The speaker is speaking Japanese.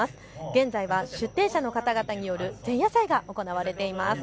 現在は出展者の方々による前夜祭が行われています。